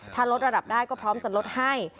ถ้าลดระดับได้ก็พร้อมจะลดให้